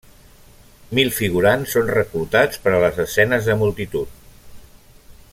Mil figurants són reclutats per a les escenes de multitud.